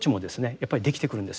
やっぱりできてくるんですよ。